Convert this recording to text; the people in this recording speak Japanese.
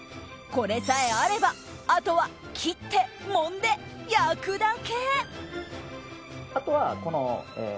これさえれば、あとは切って、もんで、焼くだけ！